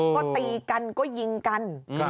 ก็ตีกันก็ยิงกัน